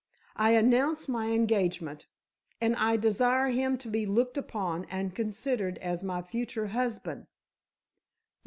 "I announce my engagement, and I desire him to be looked upon and considered as my future husband."